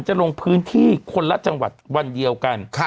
จะลงพื้นที่คนละจังหวัดวันเดียวกัน